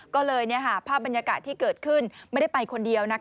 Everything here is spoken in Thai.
ก็เลยภาพบรรยากาศที่เกิดขึ้นไม่ได้ไปคนเดียว